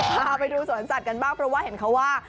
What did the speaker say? พาไปดูสวนสัตว์กันบ้างเพราะว่าเห็นเขาว่า